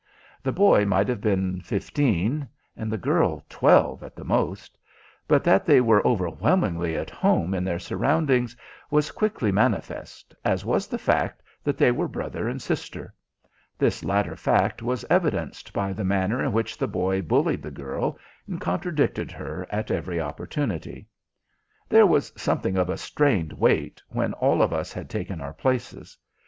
The boy might have been fifteen and the girl twelve at the most; but that they were overwhelmingly at home in their surroundings was quickly manifest, as was the fact that they were brother and sister. This latter fact was evidenced by the manner in which the boy bullied the girl, and contradicted her at every opportunity. There was something of a strained wait when all of us had taken our places.